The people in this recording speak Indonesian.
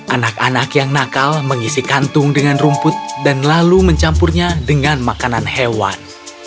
anak anak yang nakal mengisi kantung dengan rumput dan lalu mencampurnya dengan makanan hewan